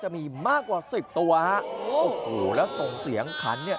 มีมากกว่า๑๐ตัวโอ้โหแล้วตรงเสียงคัน